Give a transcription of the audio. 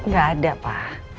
gak ada pa